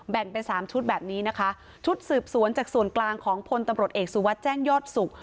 เป็นสามชุดแบบนี้นะคะชุดสืบสวนจากส่วนกลางของพลตำรวจเอกสุวัสดิ์แจ้งยอดสุข